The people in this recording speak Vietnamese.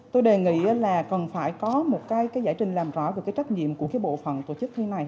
tôi đề nghị là cần phải có một cái giải trình làm rõ về cái trách nhiệm của cái bộ phận tổ chức thi này